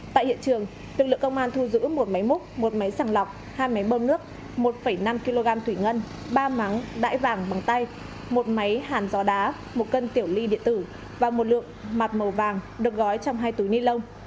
tại hiện trường lực lượng công an thu giữ một máy múc một máy sàng lọc hai máy bơm nước một năm kg thủy ngân ba mắng đại vàng bằng tay một máy hàn gió đá một cân tiểu ly điện tử và một lượng mặt màu vàng được gói trong hai túi ni lông